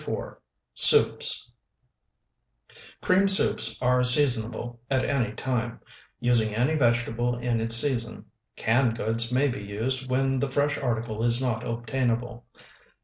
SOUPS SOUPS Cream soups are seasonable at any time, using any vegetable in its season. Canned goods may be used when the fresh article is not obtainable.